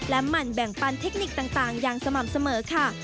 หมั่นแบ่งปันเทคนิคต่างอย่างสม่ำเสมอค่ะ